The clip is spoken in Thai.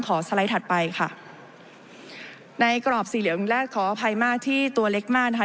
สไลด์ถัดไปค่ะในกรอบสีเหลืองแรกขออภัยมากที่ตัวเล็กมากนะคะ